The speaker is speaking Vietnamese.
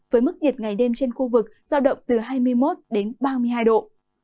với mức nhiệt ngày đêm trên khu vực giao động từ hai mươi một đến ba mươi hai độ